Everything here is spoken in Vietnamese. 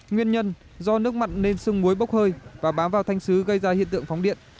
nguyên nhân do nước mặn nên sưng muối bốc hơi và bám vào thanh sứ gây ra hiện tượng phóng điện